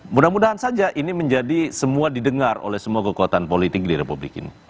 mudah mudahan saja ini menjadi semua didengar oleh semua kekuatan politik di republik ini